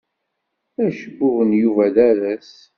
Acebbub n Yuba d aras.